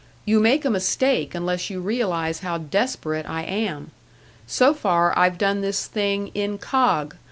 You make a mistake unless you realise how desperate I am. So far I've done this thing incog!